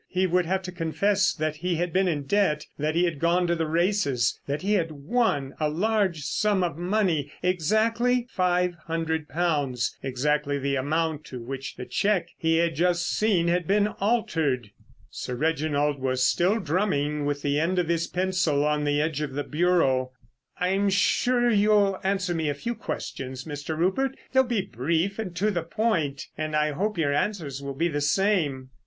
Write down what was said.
He would have to confess that he had been in debt, that he had gone to the races, that he had won a large sum of money, exactly five hundred pounds—exactly the amount to which the cheque he had just seen had been altered. Sir Reginald was still drumming with the end of his pencil on the edge of the bureau. "I'm sure you'll answer me a few questions, Mr. Rupert. They'll be brief and to the point, and I hope your answers will be the same."